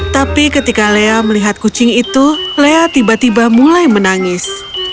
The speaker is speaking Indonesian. tapi ketika lea melihat kucing itu lea tiba tiba mulai menangis